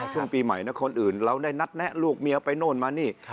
ช่วงปีใหม่นะคนอื่นเราได้นัดแนะลูกเมียไปโน่นมานี่